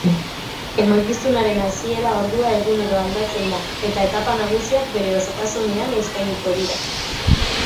Emankizunaren hasiera ordua egunero aldatzen da eta etapa nagusiak bere osotasunean eskainiko dira.